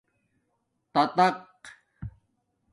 تاتاک